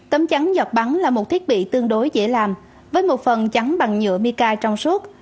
tấm trắng giọt bắn là một thiết bị tương đối dễ làm với một phần trắng bằng nhựa mica trong suốt